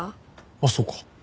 あっそうか。